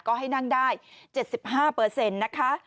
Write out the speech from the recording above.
ก็ให้นั่งได้๗๕นะคะ